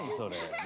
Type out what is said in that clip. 何？